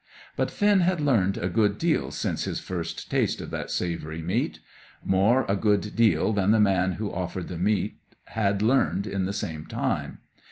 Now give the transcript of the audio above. But Finn had learned a good deal since his first taste of that savoury meat; more a good deal than the man who offered the meat had learned in the same time.